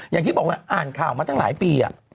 อย่างที่บอกว่าอ่านข่าวมาตั้งหลายปี